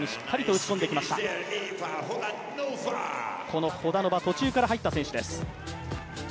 このホダノバ、途中から入った選手です。